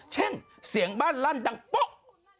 เช่นเสียงบ้านรั่นดังป๊อ๊บป๊อ๊บ